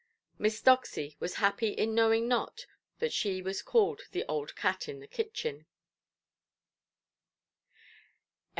Miss Doxy was happy in knowing not that she was called "the old cat" in the kitchen.